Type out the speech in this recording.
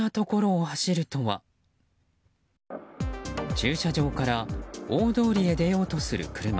駐車場から大通りへ出ようとする車。